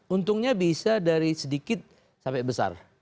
untungnya bisa dari sedikit sampai besar